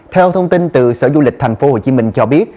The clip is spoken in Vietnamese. theo thông tin từ sở du lịch tp hcm cho biết